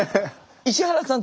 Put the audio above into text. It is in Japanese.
石原さん